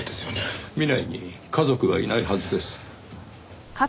南井に家族はいないはずです。